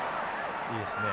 いいですね。